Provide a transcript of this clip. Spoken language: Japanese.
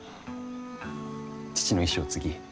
父の遺志を継ぎ